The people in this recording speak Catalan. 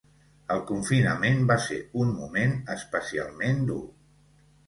El confinament va ser un moment especialment dur.